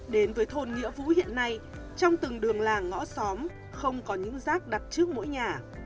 đến với thôn nghĩa vũ hiện nay trong từng đường làng ngõ xóm không có những rác đặt trước mỗi nhà